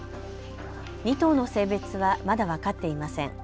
２頭の性別はまだ分かっていません。